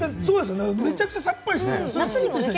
めちゃくちゃさっぱり。